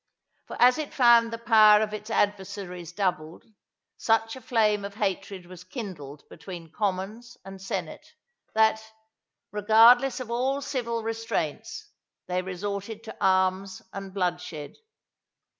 For as it found the power of its adversaries doubled, such a flame of hatred was kindled between commons and senate, that, regardless of all civil restraints, they resorted to arms and bloodshed.